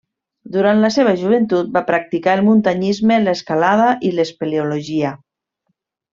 Durant la seva joventut va practicar el muntanyisme, l'escalada i l'espeleologia.